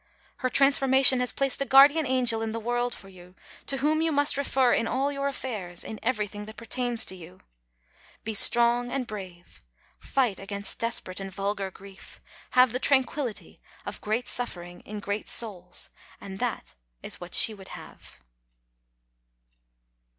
Her transformation has placed a guardian angel in the world for you, to whom you must refer in all your affairs, in everything that pertains to you. Be strong and brave; fight against desperate and vulgar grief; have the tranquillity of great suffering in great souls; and that is what she would have.